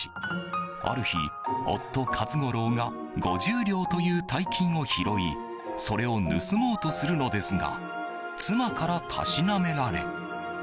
ある日、夫・勝五郎が５０両という大金を拾いそれを盗もうとするのですが妻からたしなめられ。